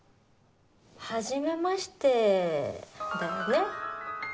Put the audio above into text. はじめましてだよね？